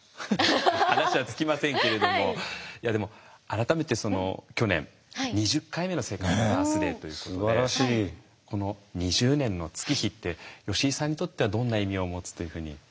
話は尽きませんけれどもいやでも改めて去年２０回目のセカンドバースデーということでこの２０年の月日って吉井さんにとってはどんな意味を持つというふうに感じてますか？